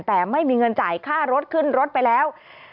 แต่ไม่มีเงินจ่ายค่ารถขึ้นรถไปแล้ว